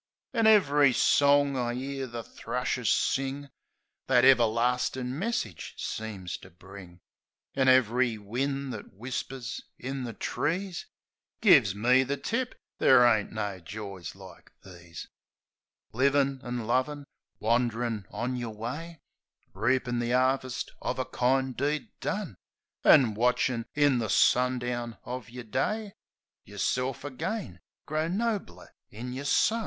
An' ev'ry song I 'ear the thrushes sing That everlastin' message seems to bring; An' ev'ry wind that whispers in the trees Gives me the tip there ain't no joys like these: Livin' an' lovin' ; wand'rin' on yer way ; Reapin' the 'arvest of a kind deed done; An' watchin', in the sundown of yer day, Yerself again, grown nobler in yer son.